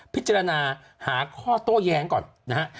พิจารณาหาข้อโต้แย้งก่อนนะฮะ